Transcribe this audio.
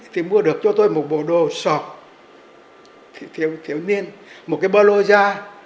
thì mua được cho tôi một bộ đồ sọt thiếu niên một cái bơ lô da